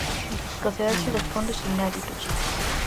Procedencia dos fondos inéditos.